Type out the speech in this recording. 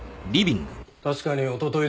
確かにおととい